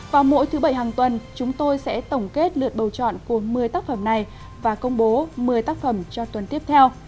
vào mỗi thứ bảy hàng tuần chúng tôi sẽ tổng kết lượt bầu chọn của một mươi tác phẩm này và công bố một mươi tác phẩm cho tuần tiếp theo